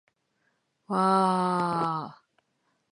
わあーーーーーーーーーー